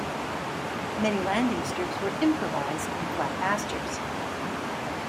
Many landing strips were improvised in flat pastures.